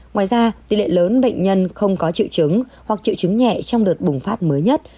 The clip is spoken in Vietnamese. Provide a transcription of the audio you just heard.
ngoài ra tỷ lệ lớn bệnh nhân không có triệu chứng hoặc triệu chứng nhẹ trong đợt bùng phát mới nhất